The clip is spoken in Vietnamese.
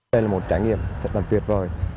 đây là một trải nghiệm thật là tuyệt vời